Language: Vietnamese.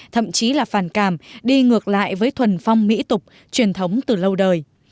thậm chí là phản cảm đi ngược lại với thuần phong mỹ tục truyền thống từ lâu đời